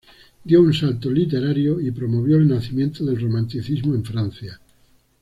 Dio un salto literario y promovió el nacimiento del Romanticismo en Francia.